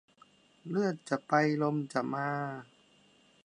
เลือดจะไปลมจะมา